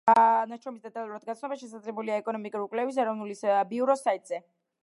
ნაშრომის დეტალურად გაცნობა შესაძლებელია ეკონომიკური კვლევების ეროვნული ბიუროს საიტზე.